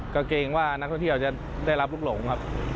ก็เกรงว่านักท่องเที่ยวจะได้รับลูกหลงครับ